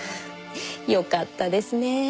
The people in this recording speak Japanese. よかったですね。